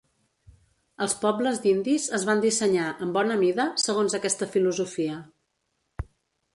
Els pobles d'indis es van dissenyar, en bona mida, segons aquesta filosofia.